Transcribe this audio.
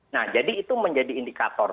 nah jadi itu menjadi indikator